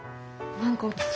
何か落ち着く。